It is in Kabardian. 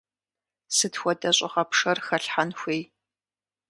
Сыт хуэдэ щӏыгъэпшэр хэлъхьэн хуей?